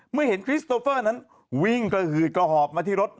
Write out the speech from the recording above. เมื่อเห็นคริสโตเฟอร์นั้นวิ่งกระหืดกระหอบมาที่รถ